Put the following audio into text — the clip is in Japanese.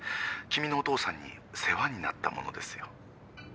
君のお父さんに世話になった者ですよ。